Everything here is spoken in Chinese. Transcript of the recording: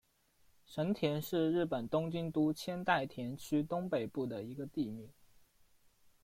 神田是日本东京都千代田区东北部的一个地名。